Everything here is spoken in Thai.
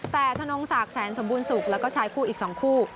แต่ธนงศักดิ์แสนสมบูรณสุขแล้วก็ชายคู่อีก๒คู่